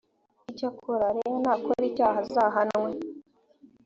icyakora leah nakora icyaha azahanwe